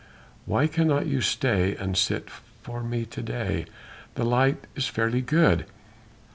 "Why cannot you stay and sit for me to day.... The light is fairly good...."